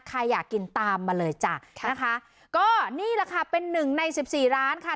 ใครอยากกินตามมาเลยจ้ะค่ะนะคะก็นี่แหละค่ะเป็นหนึ่งในสิบสี่ร้านค่ะ